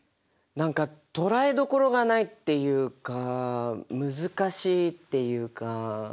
何か捕らえどころがないっていうか難しいっていうか。